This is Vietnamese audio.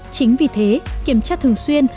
chính vì thế kiểm tra thường xuyên